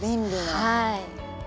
はい。